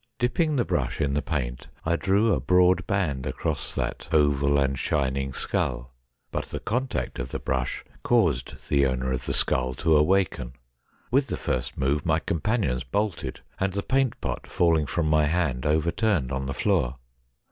Dipping the brush in the paint, I drew a broad band across that oval and shining skull, but the contact of the brush caused the owner of the skull to awaken. With the first move my companions bolted, and the paint pot falling from my hand overturned on the floor.